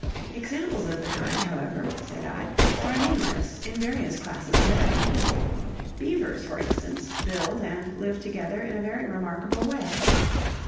"Examples of the kind, however," said I, "are numerous, in various classes of animals. Beavers, for instance, build and live together in a very remarkable way.